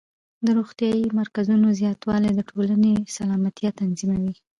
د روغتیايي مرکزونو زیاتوالی د ټولنې سلامتیا تضمینوي.